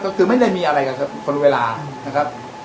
ก็คือไม่ได้มีอะไรครับครับคนละเวลานะครับ